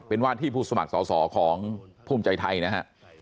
เป็นว่าที่ผู้สมัครสอสอของภูมิใจไทยนะฮะ